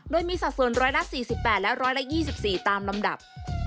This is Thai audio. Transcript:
โดยมีสัดส่วน๑๔๘และ๑๒๔ตามลำดับ